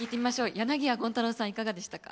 柳家権太楼さんいかがでしたか？